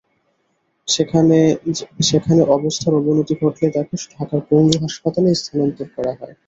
সেখানে অবস্থার অবনতি ঘটলে তাঁকে ঢাকার পঙ্গু হাসপাতালে স্থানান্তর করা হয়।